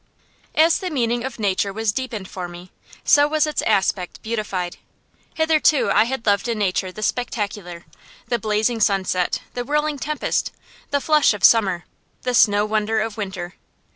As the meaning of nature was deepened for me, so was its aspect beautified. Hitherto I had loved in nature the spectacular, the blazing sunset, the whirling tempest, the flush of summer, the snow wonder of winter.